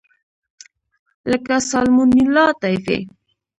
لکه سالمونیلا ټایفي.